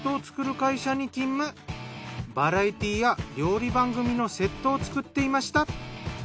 バラエティーや料理番組のセットを作っていました。